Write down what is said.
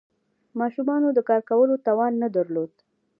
ماشومانو د کار کولو توان نه درلود.